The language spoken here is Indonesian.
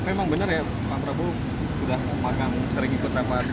memang benar ya pak prabowo sudah makan sering ikut rapat